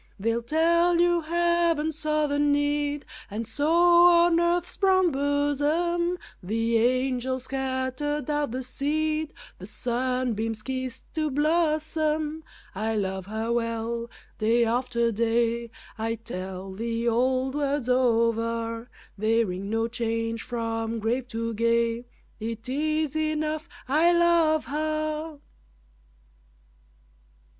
They'll tell you heaven saw the need, And so, on earth's brown bosom The angels scattered out the seed, The sunbeams kissed to blossom. I love her well, day after day I tell the old words over, They ring no change from grave to gay, It is enough I love her!